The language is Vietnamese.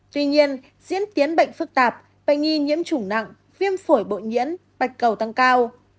tuy nhiên diễn tiến bệnh phức tạp bệnh nghi nhiễm chủng nặng viêm phổi bội nhiễm bạch cầu tăng cao